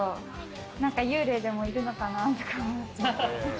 なんか幽霊でもいるのかなとか思っちゃう。